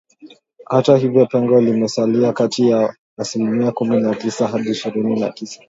hata hivyo pengo limesalia kati ya asilimia kumi na tisa hadi ishirini na sita